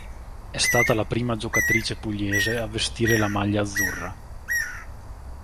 È stata la prima giocatrice pugliese a vestire la maglia azzurra.